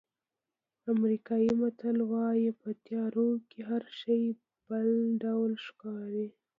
امریکایي متل وایي په تیارو کې هر شی بل ډول ښکاري.